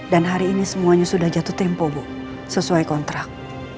dan hari ini semuanya sudah jatuh tempo ibu sesuai kontrak